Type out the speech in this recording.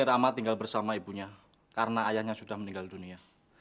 rama tinggal bersama ibunya karena ayahnya sudah meninggal dunia